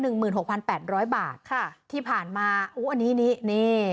หนึ่งหมื่นหกพันแปดร้อยบาทค่ะที่ผ่านมาอู้อันนี้นี่